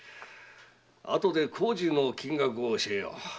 あとで工事の金額を教えよう。